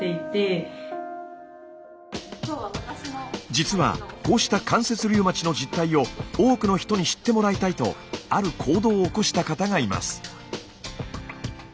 実はこうした関節リウマチの実態を多くの人に知ってもらいたいとある行動を起こした方がいます。